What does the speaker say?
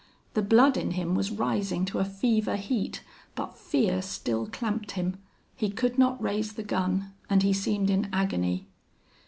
The blood in him was rising to a fever heat. But fear still clamped him. He could not raise the gun and he seemed in agony.